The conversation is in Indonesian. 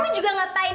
kamu juga ngapain